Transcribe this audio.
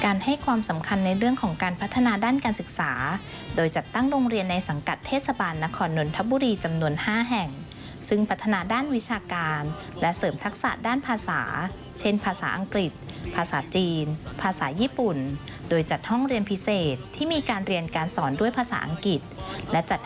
ให้ความสำคัญในเรื่องของการพัฒนาด้านการศึกษาโดยจัดตั้งโรงเรียนในสังกัดเทศบาลนครนนทบุรีจำนวน๕แห่งซึ่งพัฒนาด้านวิชาการและเสริมทักษะด้านภาษาเช่นภาษาอังกฤษภาษาจีนภาษาญี่ปุ่นโดยจัดห้องเรียนพิเศษที่มีการเรียนการสอนด้วยภาษาอังกฤษและจัด